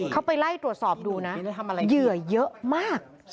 เขาไปไล่ตรวจสอบดูนะเหยื่อเยอะมาก